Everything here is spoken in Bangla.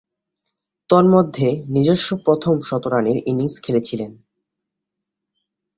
তন্মধ্যে, নিজস্ব প্রথম শতরানের ইনিংস খেলেছিলেন।